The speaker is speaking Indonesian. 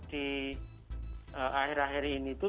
di akhir akhir ini itu